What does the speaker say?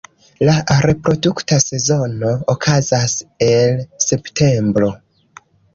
La reprodukta sezono okazas el septembro.